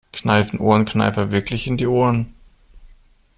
Kneifen Ohrenkneifer wirklich in die Ohren?